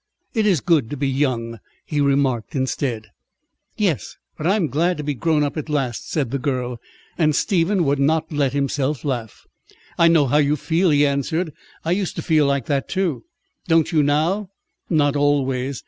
"It is good to be young," he remarked instead. "Yes, but I'm glad to be grown up at last," said the girl; and Stephen would not let himself laugh. "I know how you feel," he answered. "I used to feel like that too." "Don't you now?" "Not always.